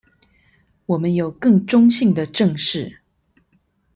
我們有更中性的「正視」